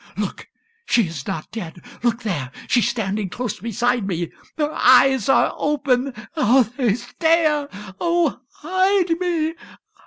Ah! look she is not dead look there! She's standing close beside me! Her eyes are open how they stare! Oh, hide me!